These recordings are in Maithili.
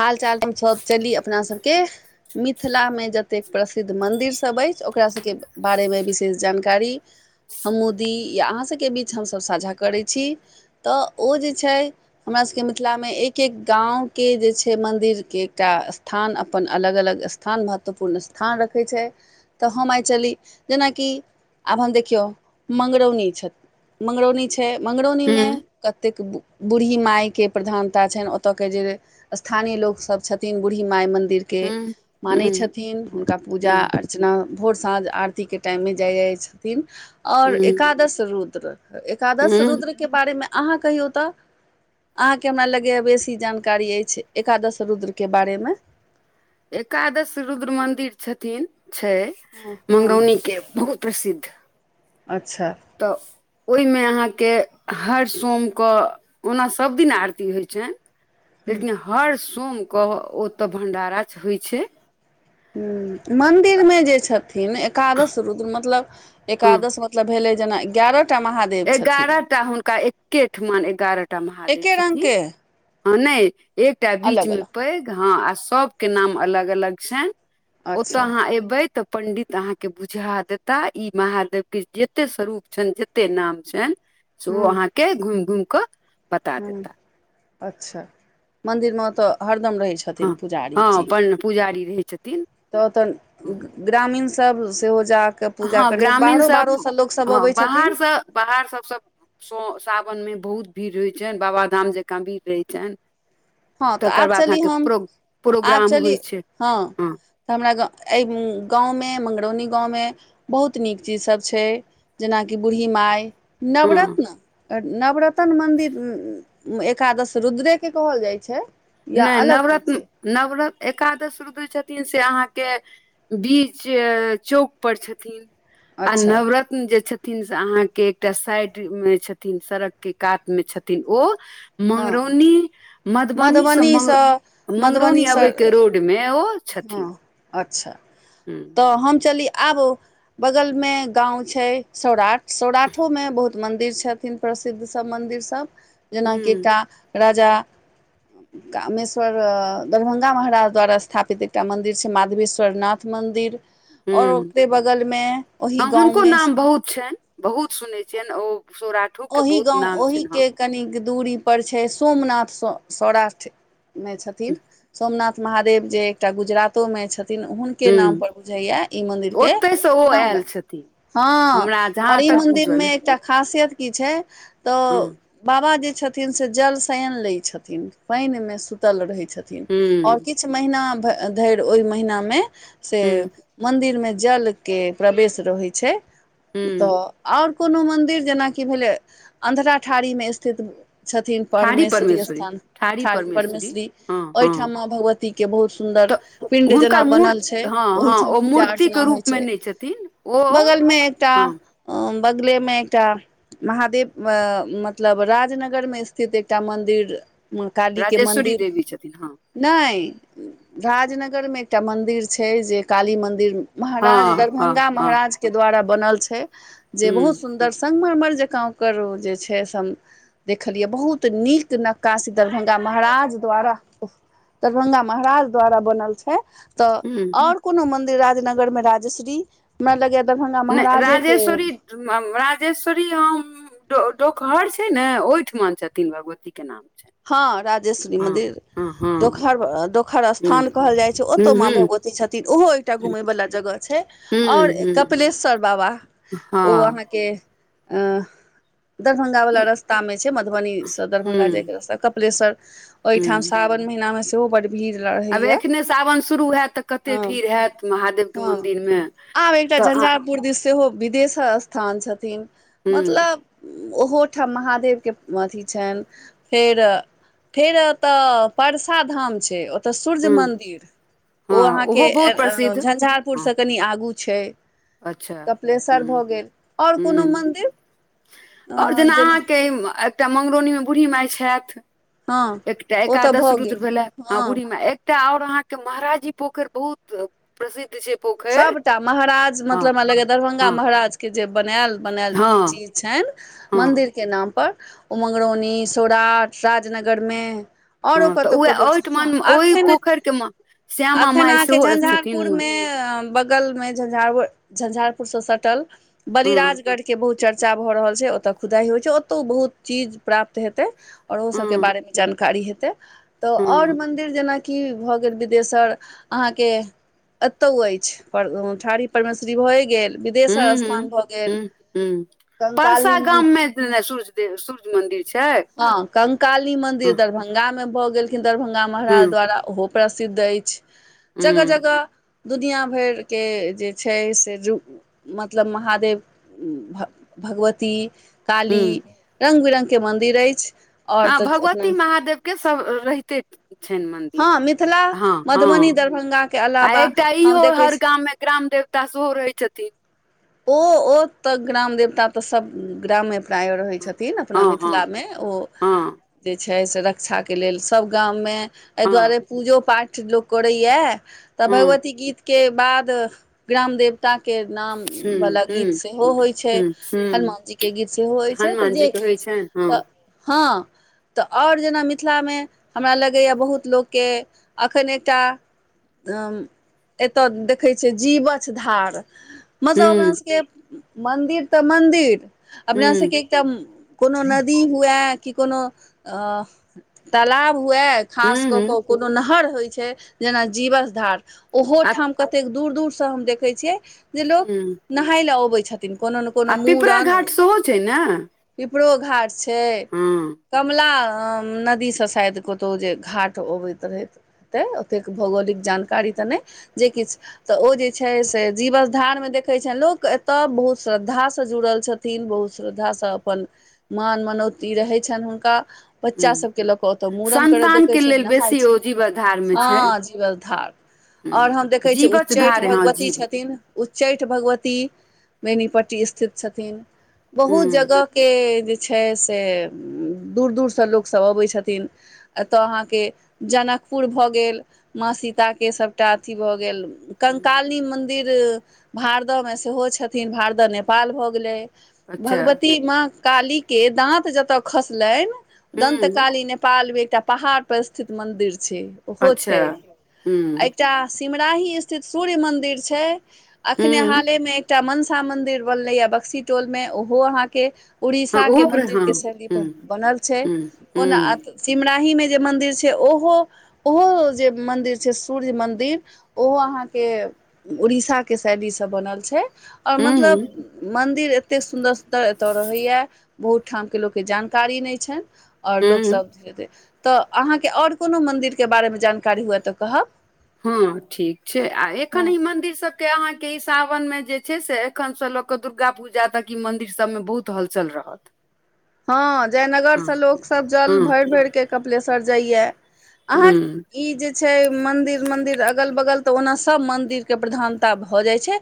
हाल चाल हम सब चली अपना सबके मिथिला मे जतेक प्रसिद्ध मन्दिरसभ अछि ओकरा सभके बारेमे विशेष जानकारी हमू दी या अहाँसभके बीच हमसभ साझा करै छी तऽ ओ जे छै हमरा सबके मिथिलामे एक एक गाँवके जे छै छै मंदिर के एकटा स्थान अपन अलग अलग स्थान महत्वपूर्ण स्थान रखै छै तऽ हम आइ चली जेनाकि आब हम देखियौ मंगरौनी छथि मंगरौनी छै मंगरौनी मे हुँ, कतेक बूढ़ी मायके प्रधानता छनि ओतयके जे स्थानीय लोकसभ छथिन बूढ़ी माइ मन्दिर के हुँ, मानै हुँ, छथिन हुनका पूजा हुँ, और अर्चना भोर साँझ आरतीके टाइममे जाइ जाइ छथिन आओर हुँ, एकादश रुद्र एकादश हुँ, रुद्र के बारे मे अहाँ कहियौ तऽ अहाँके हमरा लगेया बेसी जानकारी अछि एकादश रुद्रके बारेमे एकादश रुद्र मन्दिर छथिन छै हँ हँ मगौनीके बहुत प्रसिद्ध अच्छा तऽओहिमे अहाँके हर सोम क ओना सभ दिन आरती होइत छन लेकिन हर सोमके ओतऽ भंडारा होइ छै हुं मंन्दिर में जे छथिन एकादश रुद्र मतलब हँ एकादश मतलब भेलै जेना एगारह टा महा एगारह टा हुनका एके ठुना एगारह टा महादेव एके रंग छथिन के हं नै एकटा बीच अलग मे अलग पैघ हँ आ सबके नाम अलग अलग छैन ओतय अच्छा अहाँ एयबै तऽ पंडित त अहाँके बुझा देता ई महादेव के जते स्वरूप छन जते नाम छन सेहो अहाँके घुम घुम क ह अच्छा मन्दिर मे ओतऽ हरदम रहै छै हँ हँ अपन पुजारी रहै छथिन त ओतऽ ग्रामीण सब सेहो जाक के पूजा हँ करए ग्रामीण बाहरो बाहरो सब सँ लोकसभ हँ अबै छथिन बाहरसँ बाहर सभसे स सावन मे बहुत भीड़ होइ छनि बाबाधाम जकाँ भीड़ रहै छै हँ तऽ तकर आब बाद चली अहाँके हम प्रो प्रोग्राम होइ छै हँ त हमरा गाँव में एहि गाँव मे मंगरौनी गाँव मे बहुत नीक चीजसभ छै जेनाकि बूढ़ी माइ हँ नवरत्न नवरतन मंदिर एकादश रुद्रे के कहल जाय छै या नै अलग चीज नवरत्न छै नवरत एकादश रुदय छथिन से अहाँके बीच चौक पर छथिन आ अच्छा नवरत्न जे छथिन से अहाँके एकटा साइड मे छथिन सड़क के कात मे छथिन ओ हँ मंगरौनी मधुबनी स मंग मधुबनीसँ मंगरौनी मधुबनीसँ अबे के रोड मे ओ छथिन हँ अच्छा हूं तऽ हम चली आब बगल मे गाँंव छै सौराठ सौराठो मे बहुत मंदिर छथिन प्रसिद्ध सब मन्दिर सब जेनाकि हूं एकटा राजा कामेश्वर दरभंगा महाराज द्वारा स्थापित एकटा मन्दिर छै माधवेश्वरनाथ मन्दिर आओर हूं ओकरे बगलमे ओही हँ हुनको गाँवमे नाम बहुत छै बहुत सुनै छियैन ओ सोरा ओहि गाँव ओहि के कनिक दूरी पर छै सोमनाथ स सौराष्ठमे छथिन सोमनाथ महादेव जे एकटा गुजरातो मे छथिन हुन के नाम हूं पर बुझैया ई मंदिर के ओतयसँ ओ नाम आयल रा छथिन हँ हमरा जहाँ आओर ई तक मन्दिर बूझल मे एकटा खासियत की छै तऽ हँ बाबा जे छथिन से जल सयन लैत छथिन पानि मे सुतल रहैत छथिन छथिन आओर हूँ किछु महीना धरि ओहि महिनामे से हूँ मन्दिरमे जलके प्रवेश रहै छै तऽ हूँ आओर कोनो मंन्दिर जेनाकि की भेलै अन्धराठाढ़ी मे स्थित छथिन परमेश्वरी स्थान ठाढ़ी परमेश्वरी ओहिठाम माँ भगवतीके बहुत सुन्दर तऽ पिंड जेना हुनकर बनल छै मूर्ति हँ हँ ओहिठाम ओ पूजा मूर्तिके अर्चना होइ रूपमे छै नहि छथिन ओ बगल मे एकटा हँ बगले मे एकटा महादेव मतलब राजनगर मे स्थित एकटा मन्दिर माँ कालीे के राजेश्वरी मन्दिर देवी छथिन हँ नहि राजनगर मे एकटा मन्दिर छै जे काली मन्दिर महाराज हँ हँ दरभंगा हँ महाराज के द्वारा बनल छै जे बहुत हूँ सुन्दर संगमरमर जकाँ ओकर ओ जे छै से हम देखलियै बहुत नीक नक्कासी दरभंगा महाराज द्वारा दरभंगा महराज द्वारा बनल छै तऽ हूँ आओर कोनो मन्दिर राजनगरमे राजश्री हमरा लगैयै दरभंगा नहि महाराजे के राजेश्वरी राजेश्वरी हम डोक डोकहर छै ने ओहिठम छथिन भगवती के नाम छैन हँ राजेश्वरी मंदिरखर दोखहर हूँ स्थान कहल जाय छै हूँ ओतो माँ हूँ भगवती छथिन ओहो एकटा घुमय वला जगह छै हूँ आओर हूँ कपिलेश्वर बाबा ओ हँ अहाँके अ दरभंगा वला ई रस्ता मे छै मधुबनी से दरभंगा जाय हूँ कपिलेशर ओहिठुमा हूँ सावन महिना में सेहो बड भीड़ रहय आब एखने सावन शुरू होत तऽ कतेक भीड़ होयत महादेवके मन्दिरमे तऽ अहाँ पूर दिश सेहो विदेशर स्थान छथिन हुँ मतलब ओहोठाम महादेवके अथी छनि फेर फेर ओतऽ परसा धाम छै तऽ सूर्य हुँ मदिर ओ हँ अहाँके ओहो बहुत प्रसिद्ध झंझारपुर हँ से कनि आगू छै अच्छा कपिलेश्वर हुँ भऽ गेल आओर कोनो मन्दिर और जेना अहाँके एकटा मंगरौनीमे बूढ़ी माय छथि हँ एकटा ओ तऽ एकादश भऽ रुद्र गेल भेले हँ बूढ़ीमे एकटा आऔर अहाँके महाराजी पोखरि बहुत प्रसिद्धि छै पोख सबटा महराज मतलब हमरा लगैयै दरभंगा हँ महराज के जे बनायल बनायल हँ चीज छनि हँ मन्दिर के नाम पर उ मङगरौनी सौराट राजनगरमे आऔरो हँ तऽ कतहु उएह कतहु छै ओहिठमन ओहि एखन पोखरिके श्यामा एखन माइ अहके सेहो छथिन झंझारपुर मे बगलमे झंझार झंझारपुरसँ सटल हँ बलिराजगढ़के के बहुत चर्चा भऽ रहल छै ओतऽ खुदाइ होइ छै ओतौ बहुत चीज प्राप्त हेतै आओर ओ सबके हँ बारेमे जानकारी हेतै तऽ हँ आओर मन्दिर जेनाकि भऽ गेल बिदेश्वर अहाँके कतौ अछि ठाढ़ी परमेश्वरी भए गेल हूं बिदेश्वर हूं स्थान भऽ गेल हूं हूं कंकाली परसा मन्दिर गाममे सू्य देव सूर्य मदिर छै हँ कंकाली मंदिर हँ दरभंगा में भऽ गेलखिन दरभंगा हुं महाराज द्वारा ओहो प्रसिद्ध अछि जगह हुं जगह दुनिया भरिके जे छै से रु मतलब महादेव भगवती काली हुं रंग बिरंगके मन्दिर अछि आओर हँ तऽ अपना भगवती महादेव के सभ रहिते छनि मन्दिर हँ मिथिला हँ मधुबनी हँ दरभंगाके आ अलावा एकटा हम इहो देखै हर छी गाम म मे ग्राम देवता सेहो रहै छथिन ओ ओ तऽ ग्राम देवता तऽ सब ग्रामे प्राय रहै छथिन अपना हँ हँ मिथिला मे ओ हँ छै से रक्षाके लेल सब गाममे एहि हँ दुआरे हँ पूजो पाठ लोक करैया तऽ हुं भगवती गीत के बाद ग्राम देवता के नाम वला गीत हुं सेहो होइत छै हुं हुं हनुमानजीके गीत सेहो होइत छै तऽ हनुमान जे जी के होइ किछु छनि हँ तऽ हँ तऽ आओर जेना मिथिलामे हमरा लगैए बहुत लोककेँ एखन एकटा एतय देखै छियै जीवछ धार मतलब अपना हुं सबके मन्दिर तऽ मन्दिर अपना हुं सबके एकटा कोनो नदी हुए कि कोनो अ तालाब हुए खास हुं कऽ हुं कऽ कोनो नहर होइ छै जेना जीवछ धार आ ओहोठाम कतेक दूर दूर से हम देखै छियै जे लोक हूँ नहाय ले अबै छथिन कोनो ने कोनो मूड़न ओहो छै न पिपरो घाट छै कमला नदीसँ शायद कतहु जे घाट अबैत रहथि हेतै ओतेक भौगोलिक जानकारी तऽ नहि जे किछु तऽ ओ जे छै से जीवछधारमे देखैत छनि लोक एतय बहुत श्रद्धासँ जुड़ल छथि किन बहुत श्रद्धासँ अपन मान मनौती रहै छनि हुनका हुं बच्चा सबके लऽ कऽ ओतऽ मूड़न करैत देखे संन्तानके छै लेल नहाय बेसी छै ओ जीवत धारमे छै हँ जीवछधार आओर हूँ हम देखै छियै जीवछ उच्चैठ धारे हँ भगवती जीव छथिन उच्चैठ भगवती बेनीपट्टी स्थित छथिन बहुत हूँ जगह के जे छै से दूर दूरसँ लोकसब अबै छथिन एतय अहाँके जनकपुर भऽ गेल माँ सीता के सभटा अथी भऽ गेल हूँ कंकालिनी मन्दिर भारदहमे सेहो छथिन भारदह नेपाल भऽ गेलै अच्छा भगवती माँ काली के दाँत जतऽ खसलनि दंत हूँ काली ने नेपाल मे एकटा पहाड़ पर स्थित मंदिर छै ओहो अच्छा छै हूँ एकटा सिमराही स्थित सूर्य मंदिर छै अखने हूँ हाल मे एकटा मनस मंन्दिर बनलै या बक्सी टोल मे ओहो अहाँके हँ उड़ीसाके ओहो पर हँ मन्दिरके शैली हूँ पर बनल छै हूँ ओना हूँ सिमराहीमे जे मन्दिर छै ओहो ओहो जे मन्दिर छै सूर्य मन्दिर ओहो अहाँके उड़ीसा के शैली से बनल छै और हूँ मतलब मंदिर एतेक सुन्दर सुन्दर रहैया बहुत ठाम के लोकके जानकारी नहि छनि आओर लोक हूँ सब तऽ अहाँके आओर कोनो मन्दिरके बारेमे जानकारी हुए तऽ कहब हँ ठीक छै आ एखन हँ ई मंदिर सब के अहाँ के ई सावन में जे छै से एखन से ल के दुर्गा पूजा तक ई मंदिर सब मे बहुत हल चल रहत हँ हँ जयनगरसँ लोकसभ जल हँ भरि भरि के कपिलेश्वर जाइए अहाँ हूँ ई जे छै मन्दिर मन्दिर अगल बगल तऽ ओना सब मन्दिरके प्रधानता भऽ जाइ छै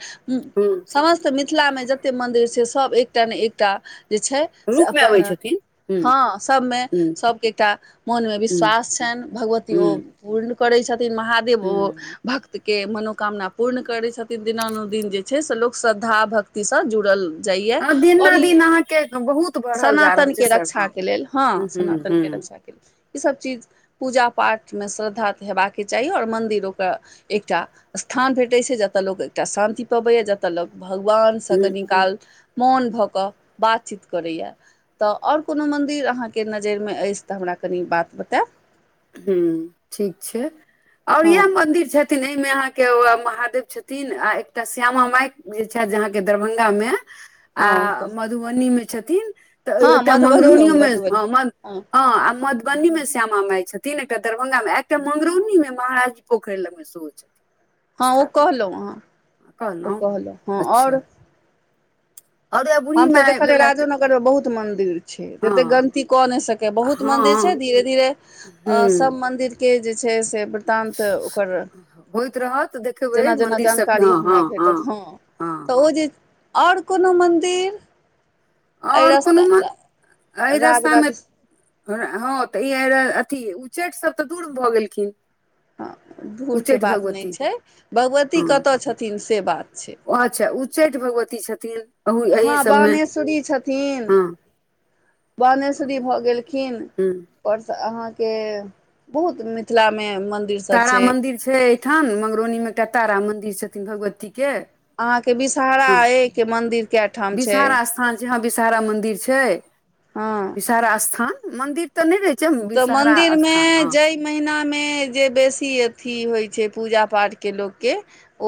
हूँ समस्त मिथिलामे जते मन्दिर छै सब एकटा ने एकटा जे छै से रूपमे अबै अपन छथिन हूँ हँ सबमे हूँ सबके एकटा मोनमे हूँ विश्वास छनि भगवती ओ हूँ पूर्ण करै छथिन महादेव ओ हूँ भक के मनोकामना पूर्ण करै छथिन दिनानुदिन जे छै से लोक श्रद्धा भक्तिसँ जुड़ल जाइए आ दिना दिनाअहाँके बहुत बढ़ल जा रहल छै सनातनके सर हँ रक्षाके लेल हँ हूँ हूँ सनातनके हूँ रक्षाके लेल ईसभ चीज पूजा पाठमे श्रद्धा तऽ हेबाक चाही आओर मन्दिर ओकरा एकटा स्थान भेटैत छै जतय लोक एकटा शान्ति पबैया जतय लोक भगवान स हूँ कनि काल मोन भऽ कऽ बातचीत करैया तऽ आओर कोनो मन्दिर अहाँके नजरिमे अछि तऽ हमरा कनि बात बताउ हूं ठीक छै आउर हँ इएह मंदिर छै छथिन एहिमे अहाँके महादेव छथिन आ एकटा श्यामा माइ जे छथि अहाँके दरभंगा मे आ हँ तऽ मधुबनी मे छथिन तऽ हँ एतय मधुबनीयो मंगरौनियोमे मधुबनी हँ हँ आ मधुबनीमे श्यामा माइ छथिन तीन एकटा दरभंगा मे एकटा मंगरौनी मे महाराजी पोखरि लग मे सेहो छथिन हँ ओ स्थापित कहलौं अहँ हँ, ओ कहलहुँ कहलौं हँ अच्छा और आओर बुढ़ी हम तऽ माय देखलेै राजो भेलथि नगर में बहुत मंदिर छै एते हँ गलती कऽ नहि सकै बहुत मंदिर छै हँ धीरे धीरे अ हूँ सब मंदिर के जे छै से तांत ओकर होइत रहत देखबै जेना जेना मन्दिर सभके जानकारी हँ हमरा हँ भेटत हँ तऽ हँ ओ जे आओर कोनो मन्द आओर कोनो मन अइ राज रास्तामे राज हँ तऽ ई अथी उच्चैठ सभ तऽ दूर भऽ गेलखिन हँ दुरके उच्चैठ बात नहि भगवती छै भगवती कतऽ छथिन से बात छै ओ अच्छा चैत भगवती छथिन अहू एहि हँ सभमे बावनेश्वरी छथि थिन हँ बानेश्वरी भऽ गेलखिन हँ परस अहा के बहुत मिथिला में मंदिर तारा मन्दिर छै एहिठाम मंगरौनीमे एकटा तारा मन्दिर छथिन भगवतीके अहाँके विषहरा ए के मन्दिर के ठाम छै विषहारा स्थान छै हँ विषहारा मन्दिर छै हँ विषहारा स्थान मंदिर तऽ नहि रहे छै विषहरा स्थान ह महिना मे जे बेसी अथी होय छै पूजा पाठ के लोक के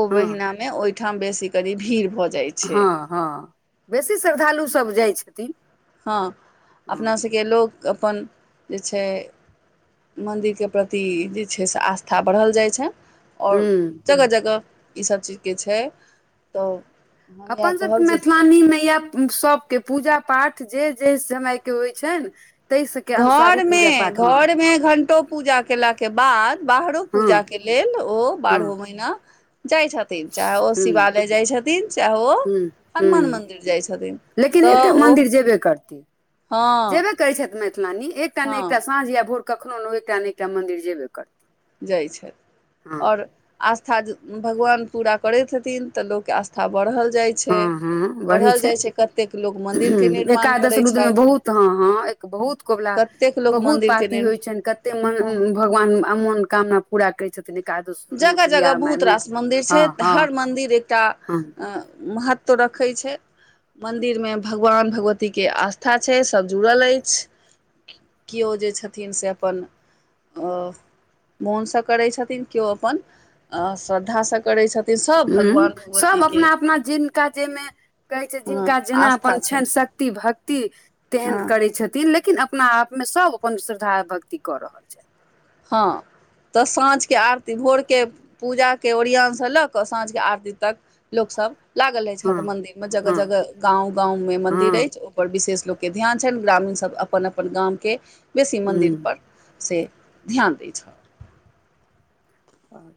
ओ हँ महिना मे ओहिठाम बेसी कनी भीड़ भऽ जाय छै हँ हँ बेसी श्रद्धालुसभ जाइ छथिन हँ हँ अपना सभके लोक अपन जे छै मन्दिरके प्रति जे छै से आस्था बढ़ल जाय छै आओर हूँ जगह जगह इसभ चीजके छै तऽ हम इएह कहब अपनसभके जे मैथिलानीमे यए सभ के पूजा पाठ जे जे समय के होइ छनि ताहि सबके अनुसारे घरमे पूजा पाठ हँ घरमे घंटो पूजा केलाके बाद बाहरो हँ पूजा के लेल ओ हँ बारहो महिना जाय छथि छथिन चाहे ओ हूँ शिवालय जाय छथिन चाहे ओ हूँ हनुमान हूँ मन्दिर जाय छथिन लेकिन तऽ एकटा ओ मन्दिर हँ करैत छथि मैथिलानी एकटा ने एकटा हँ साँझ या भोर कखनो ने एकटा ने एकटा मन्दिर जेबे करी जाइ छथि आओर आस्था भगवान पूरा करे हथिन तऽ लोक केँ आस्था बढ़ल जाय हँ हँ बढ़ै छै लोक मन्दिरके निर्माण एकादश करै दूदमे छथि बहुत हँ हँ बहुत कौबला कतेक लोक बहुत मन्दिरके पाति होइ निर्माण छनि कते मन हँ भगवान मनोकामना जगह जगह बहुत मे रास मन्दिर छै हँ तऽ हँ हर मन्दिर एकटा हँ महत्व रखै छै मन्दिरमे भगवान भगवतीके आस्था छै सभ जुड़ल अछि केओ जे छथिन सँ अपन अ मोनसँ करै छथिन केओ अपन श्रद्धासँ करै छथिन सभ हूंम्म भगवान सभ भगवतीके अपना अपना जिनका जाहिमे कहै छै हँ जिनका जेना अपन आस्था छनि शक्ति भक्ति तेहन हँ करैत छथिन लेकिन अपना आपमे सभ अपन श्रद्धा भक्ति कऽ रहल छथि हँ तऽ साँझके आरती भोरके पूजाके ओरियानसँ लऽ कऽ साँझके आरती तक लोक सब लागल अछि हर हँ मंदिर मे जगह हँ जगह गाँव गाँव मे मंदिर हँ अछि पर विशेष लोकके ध्यान छनि ग्रामीणसभ अपन अपन गामके बेसी मन्दिर पर हँ से ध्यान दै छथि आओर